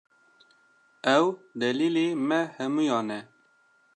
Ew delîlê me hemûyan e